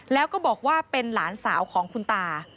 แล้วก็บอกว่าเป็นหลานสาวของคุณตา